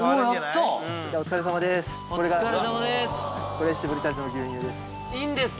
お疲れさまです。